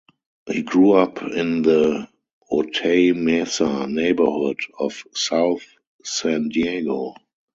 He grew up in the Otay Mesa neighborhood of South San Diego.